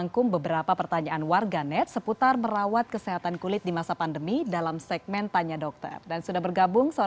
halo dokter kardiana apa kabar